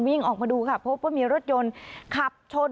วิ่งออกมาดูค่ะพบว่ามีรถยนต์ขับชน